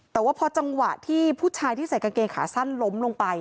แต่ว่าพอจังหวะที่ผู้ชายที่ใส่กางเกงขาสั้นล้มลงไป